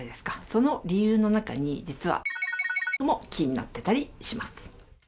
その理由の中に、実は×××もキーになってたりします。